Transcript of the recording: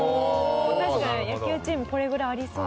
確かに野球チームこれぐらいありそう。